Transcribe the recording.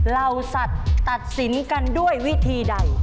เหล่าสัตว์ตัดสินกันด้วยวิธีใด